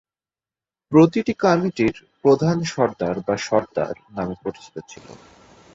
প্রতিটি কমিটির প্রধান "সরদার" বা "সর্দার" নামে পরিচিত ছিলেন।